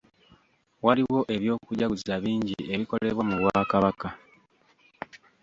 Waliwo eby'okujaguza bingi ebikolebwa mu bwakabaka.